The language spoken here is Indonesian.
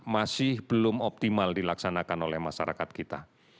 masih belum optimal dilaksanakan oleh masyarakat kita